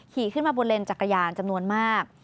ขี่ขึ้นมาบนเลนจักรยานจำนวนมาก